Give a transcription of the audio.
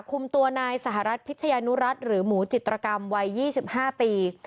คุมตัวนายสหรัฐพิชยานุรัติหรือหมูจิตรกรรมวัย๒๕ปี